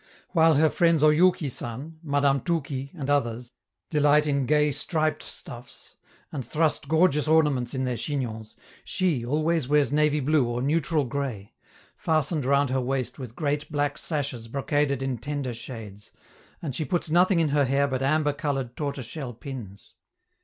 While her friends Oyouki San, Madame Touki, and others, delight in gay striped stuffs, and thrust gorgeous ornaments in their chignons, she always wears navy blue or neutral gray, fastened round her waist with great black sashes brocaded in tender shades, and she puts nothing in her hair but amber colored tortoiseshell pins.